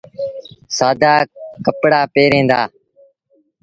سآدآ ڪپڙآ پهريٚݩ دآ۔